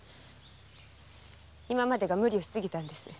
今までが無理をしすぎたんです。